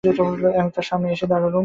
আমি তার সামনে এসে দাঁড়ালুম।